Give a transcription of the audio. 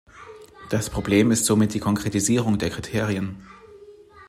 Das Problem ist somit die Konkretisierung der Kriterien.